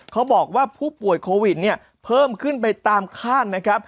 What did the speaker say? เขาบอกว่าผู้ป่วยโควิดเนี่ยเพิ่มขึ้นไปตามคาดนะครับ